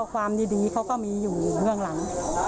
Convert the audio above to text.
ความดีเขาก็มีอยู่เบื้องหลัง